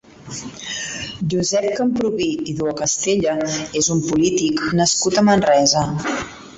Josep Camprubí i Duocastella és un polític nascut a Manresa.